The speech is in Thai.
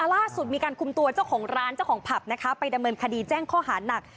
ล่าสุดมีการคุมตัวเจ้าของร้านเจ้าของผับนะคะไปดำเนินคดีแจ้งข้อหานัก